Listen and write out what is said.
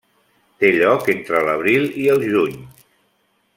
Té lloc entre l'abril i el juny.